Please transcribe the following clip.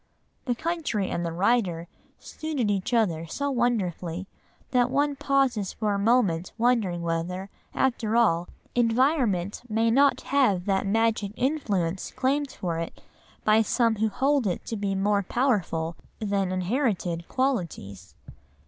The country and the writer suited each other so wonderfully, that one pauses for a moment wondering whether, after all, environment may not have that magic influence claimed for it by some who hold it to be more powerful than inherited qualities.